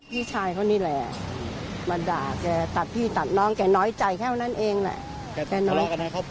พี่ชายเขานี่แหละมาด่าแกตัดพี่ตัดน้องแกน้อยใจแค่นั้นเองแหละ